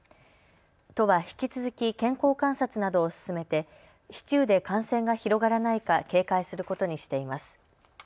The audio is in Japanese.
都は引き続き健康観察などを進めて市中で感染が広がらないか警戒することにしています。